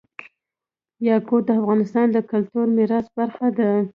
یاقوت د افغانستان د کلتوري میراث برخه ده.